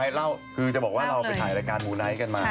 ที่ติดไว้คือจะบอกว่าเราไปถ่ายรายการหมู่ไนท์กันมา